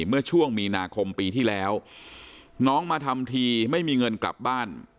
เมื่อช่วงมีนาคมปีที่แล้วน้องมาทำทีไม่มีเงินกลับบ้าน